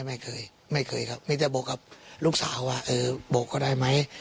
ไม่เคยไม่เคยครับมีแต่บอกกับลูกสาวว่าเออบอกเขาได้ไหม